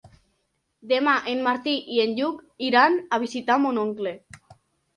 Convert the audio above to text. Demà en Martí i en Lluc iran a visitar mon oncle.